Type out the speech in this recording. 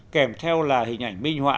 kèm theo là hình ảnh minh họa